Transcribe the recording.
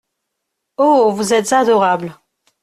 Oh ! vous êtes adorable !